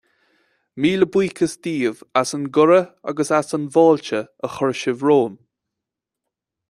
Míle buíochas daoibh as an gcuireadh agus as an bhfáilte a chuir sibh romham.